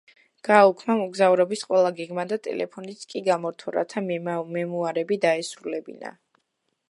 გააუქმა მოგზაურობის ყველა გეგმა და ტელეფონიც კი გამორთო, რათა მემუარები დაესრულებინა.